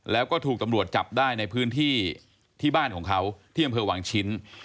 แล้วก็ถูกตำรวจจับได้ในพื้นที่ที่บ้านของเขาที่อำเภอวังชิ้น